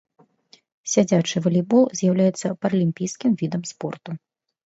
Сядзячы валейбол з'яўляецца паралімпійскім відам спорту.